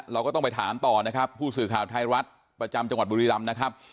เราก็ต้องไปถามต่อผู้สื่อข่าวไทรัฐประจำบริรัมศ์นะครับ